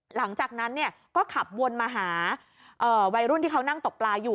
หลังจากนั้นก็ขับวนมาหาวัยรุ่นที่เขานั่งตกปลาอยู่